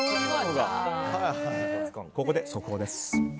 ここで速報です。